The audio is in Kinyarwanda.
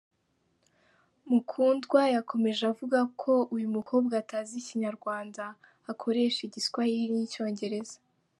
Mukundwa yakomeje avuga ko uyu mukobwa atazi Ikinyarwanda, akoresha Igiswahili n’Icyongereza.